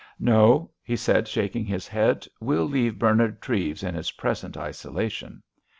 No," he said, shaking his head, "we'll leave Bernard Treves in his present isolation.